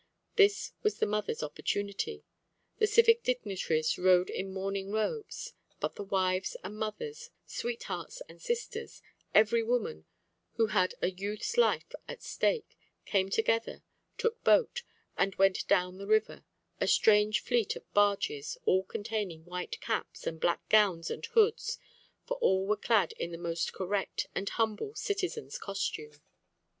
This was the mothers' opportunity. The civic dignitaries rode in mourning robes, but the wives and mothers, sweethearts and sisters, every woman who had a youth's life at stake, came together, took boat, and went down the river, a strange fleet of barges, all containing white caps, and black gowns and hoods, for all were clad in the most correct and humble citizen's costume.